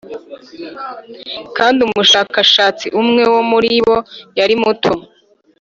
kandi umushakashatsi umwe wo muribo yari muto